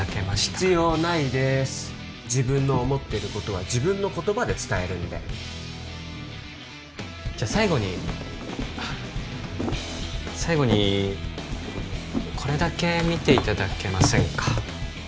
必要ないでーす自分の思ってることは自分の言葉で伝えるんでじゃ最後に最後にこれだけ見ていただけませんか？